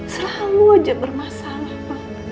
selalu aja bermasalah pa